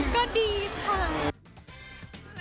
ก็ดีค่ะ